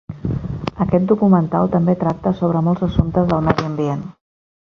Aquest documental també tracta sobre molts assumptes del medi ambient.